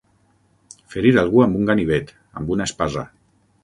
Ferir algú amb un ganivet, amb una espasa.